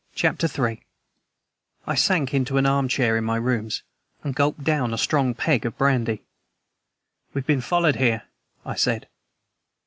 CHAPTER III I SANK into an arm chair in my rooms and gulped down a strong peg of brandy. "We have been followed here," I said.